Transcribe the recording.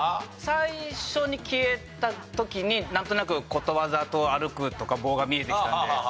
最初に消えた時になんとなく「ことわざ」と「歩く」とか「棒」が見えてきたんで。